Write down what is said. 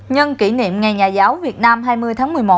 nhân kỷ niệm ngày nhà giáo việt nam hai mươi tháng một mươi một